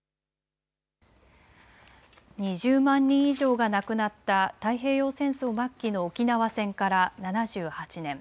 ２０万人以上が亡くなった太平洋戦争末期の沖縄戦から７８年。